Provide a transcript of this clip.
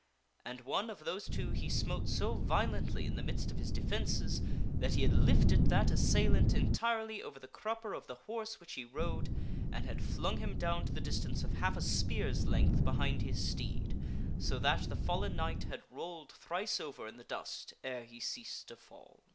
And one of those two he smote so violently in the midst of his defences that he had lifted that assailant entirely over the crupper of the horse which he 14 THE WINNING OF KINGHOOD rode, and had flung him down to the distance of half a spear's length behind his steed, so that the fallen knight had rolled thrice over in the dust ere he ceased to fall.